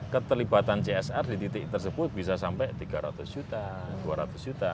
keterlibatan csr di titik tersebut bisa sampai tiga ratus juta dua ratus juta